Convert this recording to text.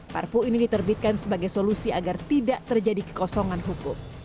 perpu ini diterbitkan sebagai solusi agar tidak terjadi kekosongan hukum